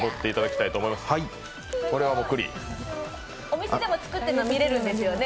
お店でも作ってるのが見られるんですよね。